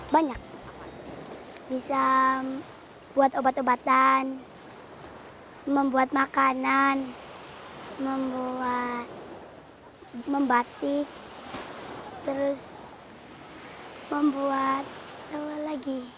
banyak bisa buat obat obatan membuat makanan membuat membatik terus membuat apa lagi